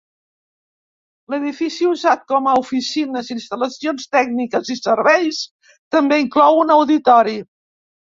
L'edifici usat com a oficines, instal·lacions tècniques i serveis també inclou un auditori.